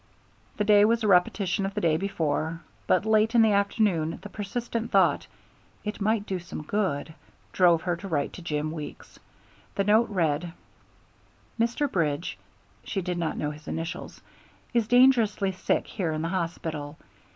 The day was a repetition of the day before, but late in the afternoon the persistent thought, "it might do some good," drove her to write to Jim Weeks. The note read: "Mr. Bridge [she did not know his initials] is dangerously sick here in the hospital.